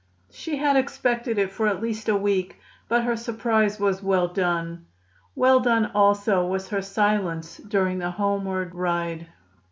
She had expected it for at least a week, but her surprise was well done. Well done also was her silence during the homeward ride.